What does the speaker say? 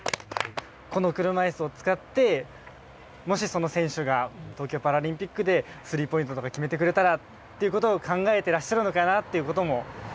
この車いすを使ってもしその選手が東京パラリンピックでスリーポイントとか決めてくれたらっていうことを考えてらっしゃるのかなっていうことも含めての。